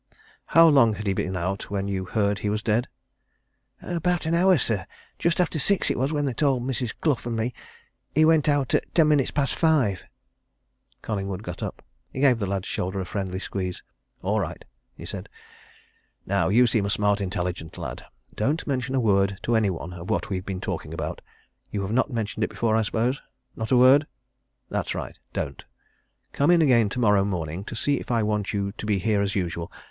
"How long had he been out when you heard he was dead?" "About an hour, sir just after six it was when they told Mrs. Clough and me. He went out at ten minutes past five." Collingwood got up. He gave the lad's shoulder a friendly squeeze. "All right!" he said. "Now you seem a smart, intelligent lad don't mention a word to any one of what we've been talking about. You have not mentioned it before, I suppose? Not a word? That's right don't. Come in again tomorrow morning to see if I want you to be here as usual.